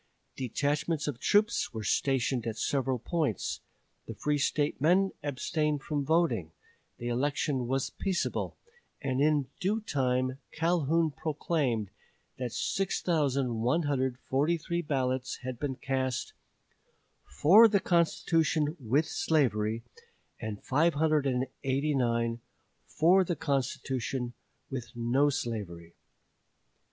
Detachments of troops were stationed at several points; the free State men abstained from voting; the election was peaceable; and in due time Calhoun proclaimed that 6143 ballots had been cast "for the constitution with slavery," and 589 "for the constitution with no slavery."